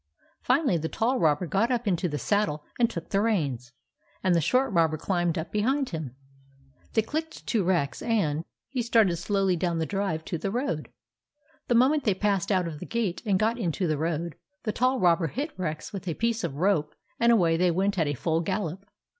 Finally, the tall robber got up into the saddle and took the reins, and the short robber climbed up behind him. They clicked to Rex, and 5 o THE ADVENTURES OF MABEL he started slowly down the drive to the road. The moment they passed out of the gate and got into the road, the tall robber hit Rex with a piece of rope and away they went at a full gallop.